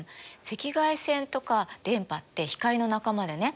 赤外線とか電波って光の仲間でね